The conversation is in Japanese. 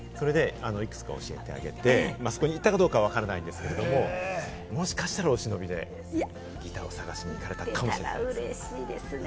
いくつか教えてあげて、そこに行ったかどうかわからないんですけれど、もしかしたら、お忍びでギターを探しに行かれたかもしれない。